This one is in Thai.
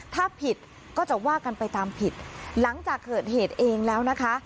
ถ้าผิดก็จะว่ากันไปตามผิดหลังจากเกิดเหตุเองแล้วนะคะ